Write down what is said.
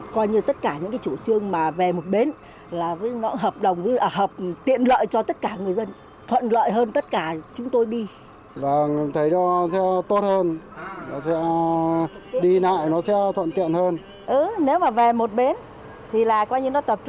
coi như tất cả những chủ trương mà về một bến là hợp tiện lợi cho tất cả người dân